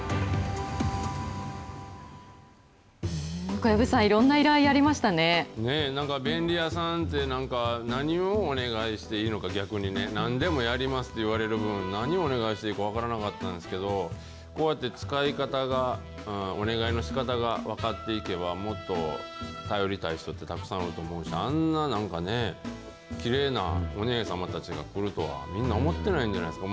小藪さん、なんか便利屋さんって、なんか、何をお願いしていいのか、逆にね、何でもやりますって言われる分、何をお願いしていいか分からなかったんですけど、こうやって使い方が、お願いのしかたが分かっていけば、もっと頼りたい人ってたくさんおると思うし、あんななんかね、きれいなお姉さまたちが来るとは、みんな思ってないんじゃないですか。